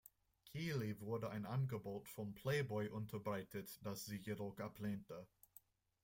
Keeley wurde ein Angebot vom "Playboy" unterbreitet, das sie jedoch ablehnte.